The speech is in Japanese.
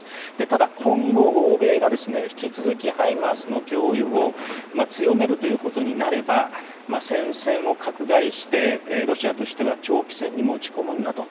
ただ今後、欧米が引き続きハイマースの供与を強めるということになれば戦線を拡大してロシアとしては長期戦に持ち込むんだと。